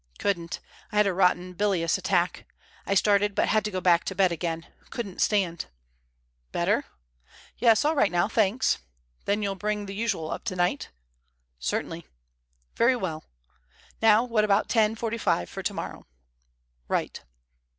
"Couldn't. I had a rotten bilious attack. I started, but had to go back to bed again. Couldn't stand." "Better?" "Yes, all right now, thanks." "Then you'll bring the usual up tonight?" "Certainly." "Very well. Now, what about ten forty five for tomorrow?" "Right."